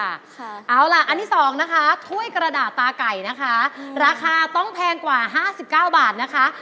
เอาล่ะอันที่สองนะคะถ้วยกระดาษตาไก่นะคะราคาต้องแพงกว่า๕๙บาทนะคะ